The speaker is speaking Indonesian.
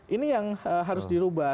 ini yang harus dirubah